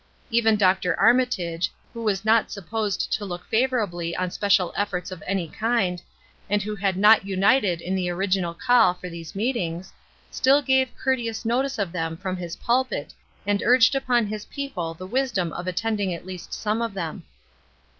Even Dr. Armitage, who was not supposed to look favorably on special efforts of any kind, and who had not united in the original call for these meetings, still gave courteous notice of them from his pulpit and urged upon his people the wisdom of attending at least some of them.